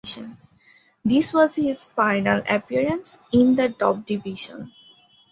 This was his final appearance in the top division.